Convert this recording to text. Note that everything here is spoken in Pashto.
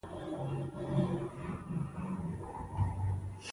له هغو کسانو او عقایدو سره خپل آواز یوځای کوو.